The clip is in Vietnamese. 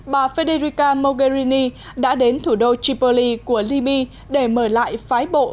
bà federica mogherini đã đến thủ đô tripoli của libya để mời lại phái bộ